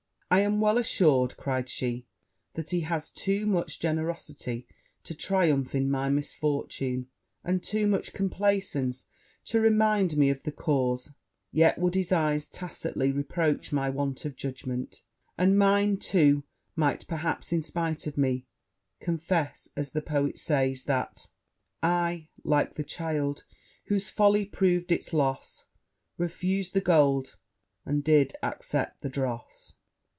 'I am well assured,' cried she, 'that he has too much generosity to triumph in my misfortune, and too much complaisance to remind me of the cause: yet would his eyes tacitly reproach my want of judgment; and mine, too, might perhaps, in spite of me, confess, as the poet says, that "I, like the child, whose folly prov'd it's loss, Refus'd the gold, and did accept the dross."